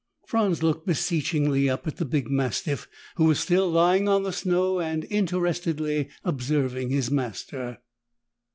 Franz looked beseechingly up at the big mastiff, who was still lying on the snow and interestedly observing his master.